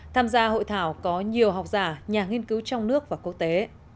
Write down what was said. tham gia hội thảo có nhiều học giả nhà nghiên cứu trong nước và quốc tế